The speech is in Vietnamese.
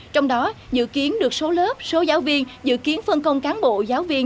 trong đó dự kiến được số lớp số giáo viên dự kiến phân công cán bộ giáo viên